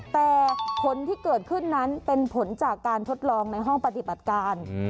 แต่ผลที่เกิดขึ้นนั้นเป็นผลจากการทดลองในห้องปฏิบัติการ